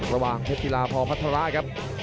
ระหว่างเทศธีราพพัทราครับ